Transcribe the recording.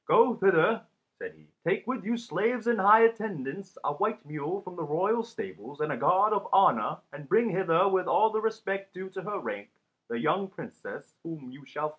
"Go thither," said he, "take with you slaves and high attendants, a white mule from the royal stables, and a guard of honour, and bring hither with all the respect due to her rank the young Princess whom you shall find there."